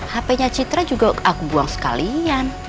hpnya citra juga aku buang sekalian